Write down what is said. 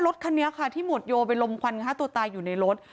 รถคันนี้ค่ะที่หมวดโยไปลมควันฆ่าตัวตายอยู่ในรถ